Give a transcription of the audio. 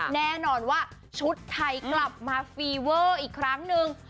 แน่นอนว่าชุดไทยกลับมาฟีเวอร์อีกครั้งนึง